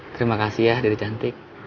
terima kasih ya dari cantik